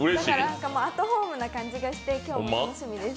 アットホームな感じがして、今日は楽しみです。